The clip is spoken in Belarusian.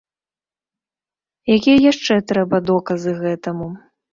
Якія яшчэ трэба доказы гэтаму?